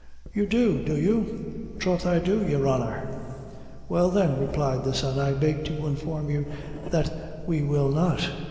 "You do! do you?" "Troth I do, your honor." "Well, then," replied the son, "I beg to inform you that we will not."